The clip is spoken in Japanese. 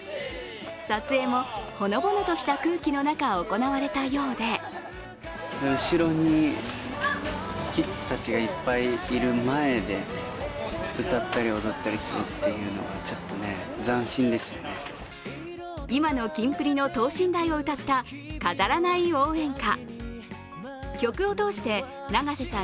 撮影も、ほのぼのとした空気の中行われたようで今のキンプリの等身大を歌った飾らない応援歌。